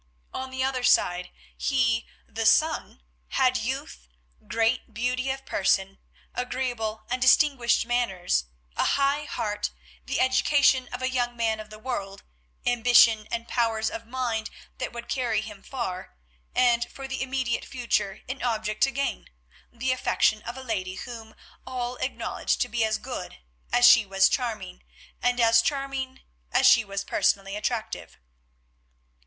On the other side, he, the son, had youth, great beauty of person, agreeable and distinguished manners, a high heart, the education of a young man of the world, ambition and powers of mind that would carry him far, and for the immediate future an object to gain, the affection of a lady whom all acknowledged to be as good as she was charming, and as charming as she was personally attractive.